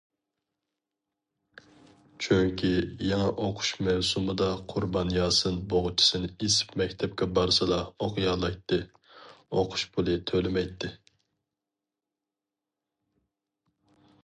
چۈنكى، يېڭى ئوقۇش مەۋسۇمىدا قۇربان ياسىن بوغچىسىنى ئېسىپ مەكتەپكە بارسىلا ئوقۇيالايتتى، ئوقۇش پۇلى تۆلىمەيتتى.